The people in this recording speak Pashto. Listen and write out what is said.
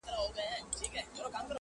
فلمونه مختلف پیغامونه لري